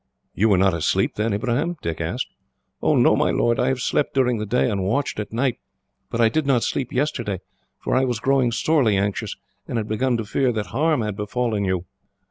"You were not asleep, then, Ibrahim?" Dick said. "No, my lord. I have slept during the day, and watched at night; but I did not sleep yesterday, for I was growing sorely anxious, and had begun to fear that harm had befallen you."